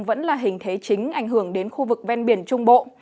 vẫn là hình thế chính ảnh hưởng đến khu vực ven biển trung bộ